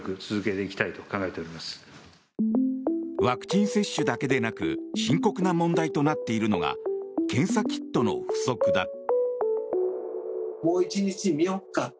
ワクチン接種だけでなく深刻な問題となっているのが検査キットの不足だ。